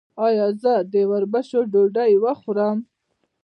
ایا زه د وربشو ډوډۍ وخورم؟